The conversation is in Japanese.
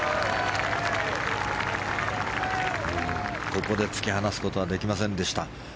ここで突き放すことはできませんでした。